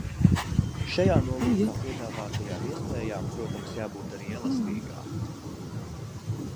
Šajā nolūkā piedāvātajām iespējām, protams, jābūt arī elastīgām.